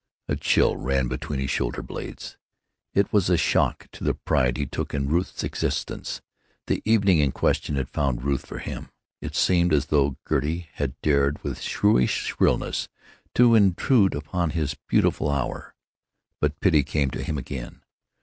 A chill ran between his shoulder blades. It was a shock to the pride he took in Ruth's existence. The evening in question had found Ruth for him! It seemed as though Gertie had dared with shrewish shrillness to intrude upon his beautiful hour. But pity came to him again.